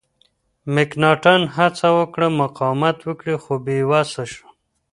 مکناتن هڅه وکړه مقاومت وکړي خو بې وسه شو.